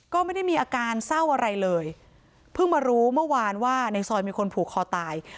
ก็ไม่ได้มีอาการเศร้าอะไรเลยเพิ่งมารู้เมื่อวานว่าในซอยมีคนผูกคอตาย